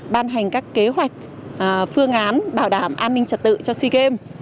ban hành các kế hoạch phương án bảo đảm an ninh trật tự cho sigem